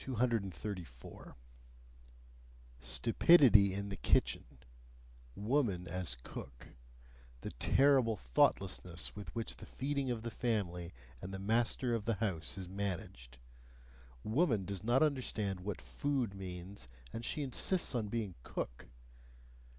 234. Stupidity in the kitchen; woman as cook; the terrible thoughtlessness with which the feeding of the family and the master of the house is managed! Woman does not understand what food means, and she insists on being cook!